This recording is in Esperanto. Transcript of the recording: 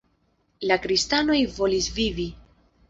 La kristanoj volis vivi.